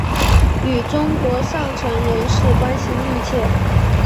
与中国上层人士关系密切。